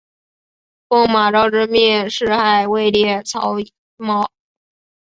奉司马昭之命弑害魏帝曹髦。